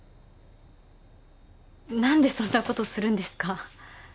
何でそんなことするんですか？